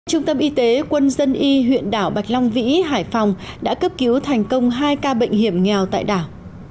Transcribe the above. trung tâm y tế quân dân y huyện đảo bạch long vĩ hải phòng đã cấp cứu thành công hai ca bệnh hiểm nghèo tại đảo